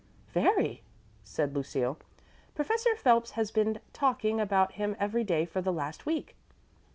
"Very," said Lucille. "Professor Phelps has been talking about him every day for the last week."